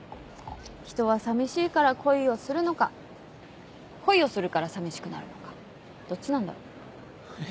人は寂しいから恋をするのか恋をするから寂しくなるのかどっちなんだろう。え？